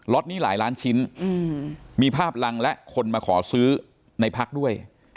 ็ตนี้หลายล้านชิ้นมีภาพรังและคนมาขอซื้อในพักด้วย